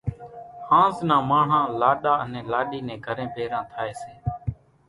هانز نان ماڻۿان لاڏا انين لاڏِي نين گھرين ڀيران ٿائيَ سي۔